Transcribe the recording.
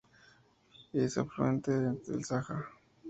Es afluente del Saja.